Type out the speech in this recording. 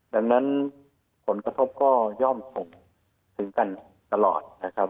ดังนั้นผลกระทบก็ย่อมส่งถึงกันตลอดนะครับ